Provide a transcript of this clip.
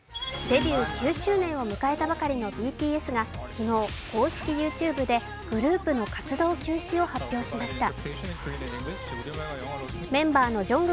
デビュー９周年を迎えたばかりのＢＴＳが昨日、公式ＹｏｕＴｕｂｅでグループの活動休止を発表しました。